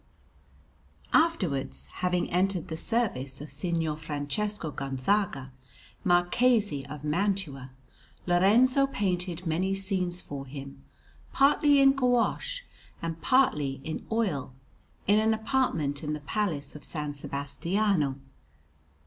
Afterwards, having entered the service of Signor Francesco Gonzaga, Marquis of Mantua, Lorenzo painted many scenes for him, partly in gouache and partly in oil, in an apartment in the Palace of S. Sebastiano.